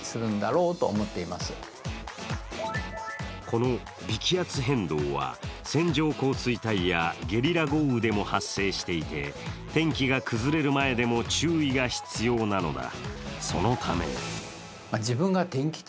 この微気圧変動は線状降水帯やゲリラ豪雨でも発生していて天気が崩れる前でも注意が必要なのだ。